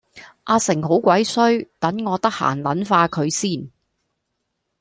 阿成好鬼衰等我得閒撚化佢先